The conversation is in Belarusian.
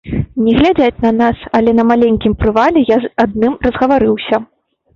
Не глядзяць на нас, але на маленькім прывале я з адным разгаварыўся.